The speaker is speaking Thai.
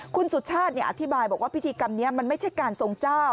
คุณสุชาติอธิบายบอกว่าพิธีกรรมนี้มันไม่ใช่การทรงเจ้า